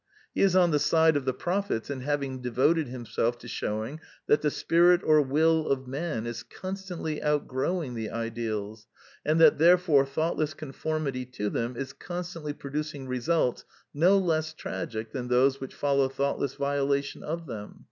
He is on the side of the prophets in having devoted himself to shewing that the spirit or will of Man is con stantly outgrowing the ideals, and that therefore thoughtless conformity to them is constantly pro ducing results no less tragic than those which fol low thoughtless violation of them.